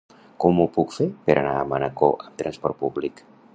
Com ho puc fer per anar a Manacor amb transport públic?